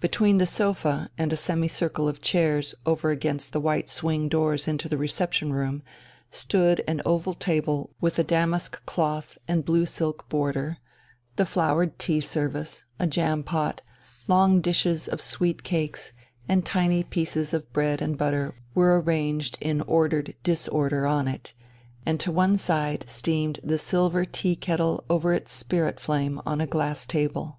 Between the sofa and a semicircle of chairs over against the white swing doors into the reception room stood an oval table with a damask cloth and blue silk border; the flowered tea service, a jam pot, long dishes of sweet cakes, and tiny pieces of bread and butter were arranged in ordered disorder on it, and to one side steamed the silver tea kettle over its spirit flame on a glass table.